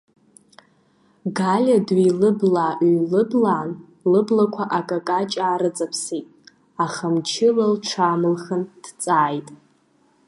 Галиа дҩеилыблаа-ҩеилыблаан, лыблақәа акакаҷ аарыҵаԥсеит, аха мчыла лҽаамылхын дҵааит.